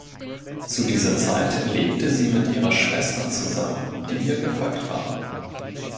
Zu dieser Zeit lebte sie mit ihrer Schwester zusammen, die ihr gefolgt war.